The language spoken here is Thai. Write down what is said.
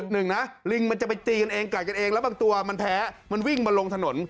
หนึ่งนะลิงมันจะไปตีกันเองกัดกันเองแล้วบางตัวมันแพ้มันวิ่งมาลงถนน